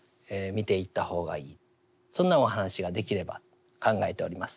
そんなお話ができればと考えております。